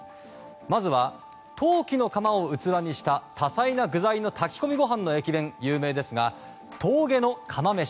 まずは、陶器の釜を器にした多彩な具材の炊き込みご飯の駅弁有名ですが、峠の釜めし。